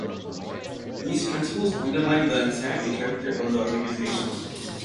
These principles underline the intent and character of the organization.